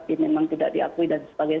ini memang tidak diakui dan sebagainya